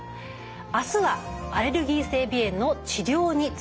あすはアレルギー性鼻炎の治療についてです。